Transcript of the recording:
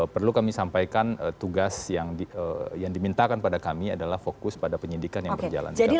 perlu kami sampaikan tugas yang dimintakan pada kami adalah fokus pada penyidikan yang berjalan sekarang